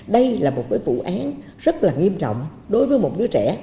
đây là một vụ án rất là nghiêm trọng đối với một đứa trẻ